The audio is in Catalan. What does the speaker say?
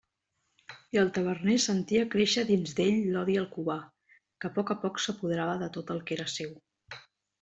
I el taverner sentia créixer dins d'ell l'odi al Cubà, que a poc a poc s'apoderava de tot el que era seu.